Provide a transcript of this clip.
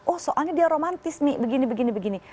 oh soalnya dia romantis nih begini begini